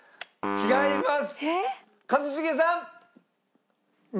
違います。